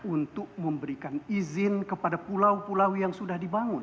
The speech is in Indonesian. untuk memberikan izin kepada pulau pulau yang sudah dibangun